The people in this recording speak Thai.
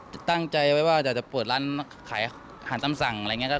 ตั้งใจไว้ว่าอยากจะเปิดร้านขายอาหารตำสั่งอะไรอย่างนี้